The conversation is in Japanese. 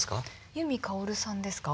由美かおるさんですか？